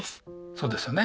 そうですよね。